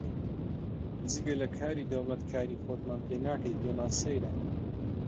جگە لە کاری دەوڵەت کاری خۆتمان پێ ناکەی، پێمان سەیرە